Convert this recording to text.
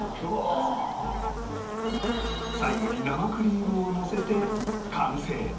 最後に生クリームをのせて完成